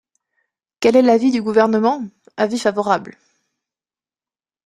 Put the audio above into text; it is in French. Quel est l’avis du Gouvernement ? Avis favorable.